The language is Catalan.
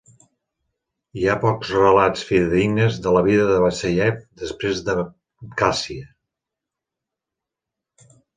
Hi ha pocs relats fidedignes de la vida de Bassàiev després d'Abkhàzia.